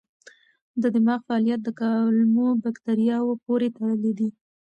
د دماغ فعالیت د کولمو بکتریاوو پورې تړلی دی.